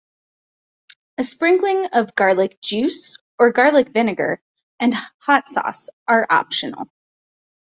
A sprinkling of garlic juice, or garlic vinegar, and hot sauce are optional.